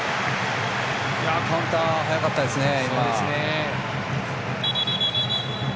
カウンター早かったですね。